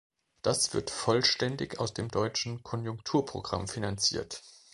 Das wird vollständig aus dem deutschen Konjunkturprogramm finanziert.